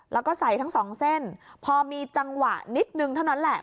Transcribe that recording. แล้วก็ใส่ทั้งสองเส้นพอมีจังหวะนิดนึงเท่านั้นแหละ